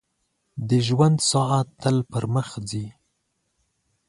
• د ژوند ساعت تل پر مخ ځي.